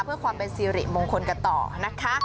เพื่อความเป็นสิริมงคลกันต่อนะคะ